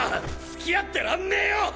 付き合ってらんねえよ！